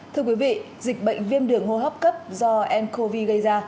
thưa quý vị dịch bệnh viêm đường hô hấp cấp do ncov gây ra